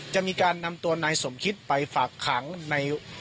จะมีการนำตัวนายสมคิตไปฝากขังใน